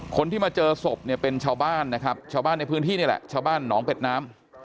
คนที่มาเจอศพเนี่ยเป็นชาวบ้านนะครับชาวบ้านในพื้นที่นี่แหละชาวบ้านหนองเป็ดน้ำ